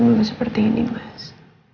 memang seperti ini mas